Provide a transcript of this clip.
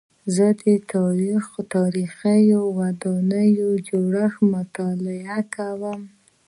زه د تاریخي ودانیو جوړښت مطالعه کوم.